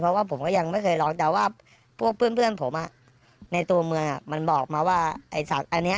เพราะว่ามันมีคนแบบว่าโดมแล้วช็อกแบบว่าน็อคไปเลยอะไรอย่างนี้